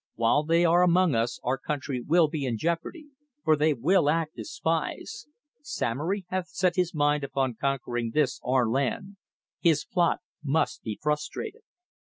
"While they are among us our country will be in jeopardy, for they will act as spies. Samory hath set his mind upon conquering this our land; his plot must be frustrated."